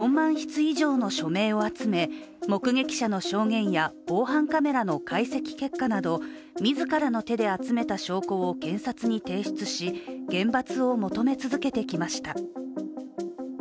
罪が軽すぎる、両親は４万筆以上の署名を集め目撃者の証言や、防犯カメラの解析結果など自らの手で集めた証拠を検察に提出し、厳罰を求め続けてきました。